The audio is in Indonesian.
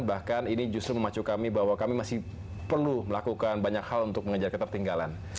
bahkan ini justru memacu kami bahwa kami masih perlu melakukan banyak hal untuk mengejar ketertinggalan